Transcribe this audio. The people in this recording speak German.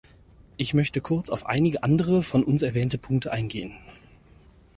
Ich möchte kurz auf einige andere von uns erwähnte Punkte eingehen.